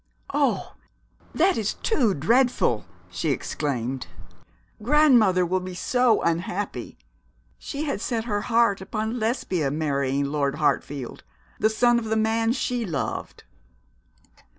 'Oh, that is too dreadful!' she exclaimed; 'grandmother will be so unhappy. She had set her heart upon Lesbia marrying Lord Hartfield, the son of the man she loved.'